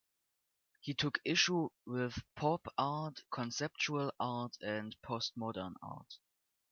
He took issue with Pop art, Conceptual art, and Postmodern art.